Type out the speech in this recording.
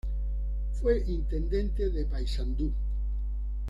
Fue intendente de Paysandú.